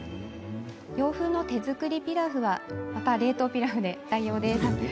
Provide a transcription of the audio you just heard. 洋風の手作りピラフは冷凍ピラフで代用します。